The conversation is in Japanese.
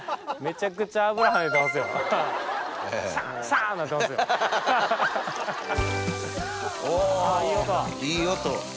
あいい音！